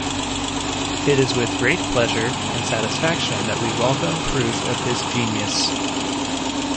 It is with great pleasure and satisfaction that we welcome proof of his genius.